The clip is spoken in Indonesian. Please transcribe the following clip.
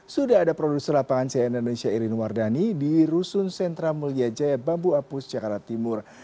sudah ada produser lapangan cn indonesia irin wardani di rusun sentra mulia jaya bambu apus jakarta timur